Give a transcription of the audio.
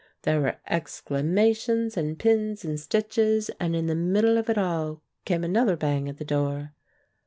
There were exclamations, and pins, and stitches. And in the middle of it all came another bang at the door.